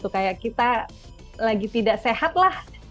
kayak kita lagi tidak sehat lah